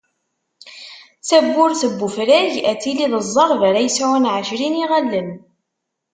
Tabburt n ufrag ad tili d ẓẓerb ara yesɛun ɛecrin n iɣallen.